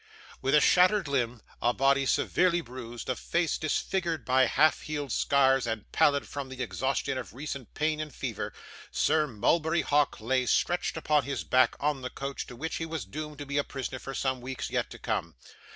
With a shattered limb, a body severely bruised, a face disfigured by half healed scars, and pallid from the exhaustion of recent pain and fever, Sir Mulberry Hawk lay stretched upon his back, on the couch to which he was doomed to be a prisoner for some weeks yet to come.